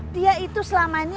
dia itu selama ini